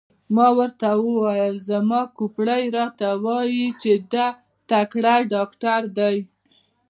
ما ورته وویل: زما کوپړۍ راته وایي چې دی تکړه ډاکټر دی.